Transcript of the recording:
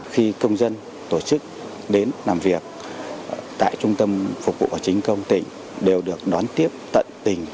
khi công dân tổ chức đến làm việc tại trung tâm phục vụ hành chính công tỉnh đều được đón tiếp tận tình